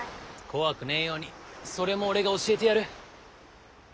怖くねえようにそれも俺が教えてやる。